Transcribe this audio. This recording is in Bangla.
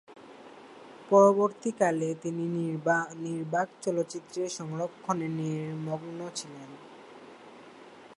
পরবর্তী কালে তিনি নির্বাক চলচ্চিত্রের সংরক্ষণে নিমগ্ন ছিলেন।